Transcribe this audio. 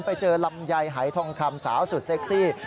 ไปเจอลำไยหายทองคำสาวสุดเซ็กซี่